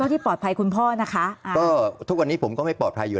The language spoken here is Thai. ที่ปลอดภัยคุณพ่อนะคะอ่าก็ทุกวันนี้ผมก็ไม่ปลอดภัยอยู่